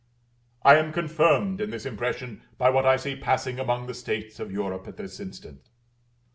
I am confirmed in this impression by what I see passing among the states of Europe at this instant.